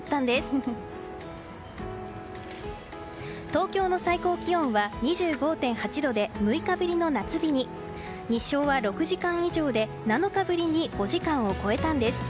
東京の最高気温は６日の夏日に日照は６時間以上で７日ぶりに５時間を超えたんです。